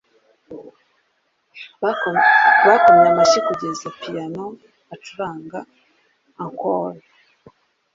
Bakomye amashyi kugeza piyano acuranga encore.